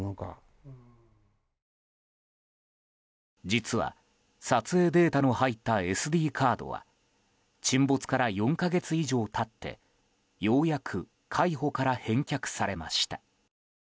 実は、撮影データの入ったＳＤカードは沈没から４か月以上経ってようやく海保から返却されました。